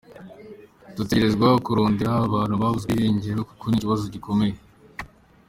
Dutegerezwa kurondera abantu babuzwe irengero, kuko ni ikibazo gikomeye.